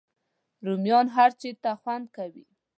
رومیان هر چاته خوند کوي